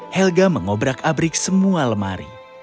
helga mengobrak abrik semua lemari